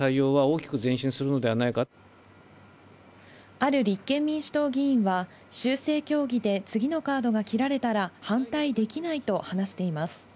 ある立憲民主党議員は修正協議で次のカードが切られたら反対できないと話しています。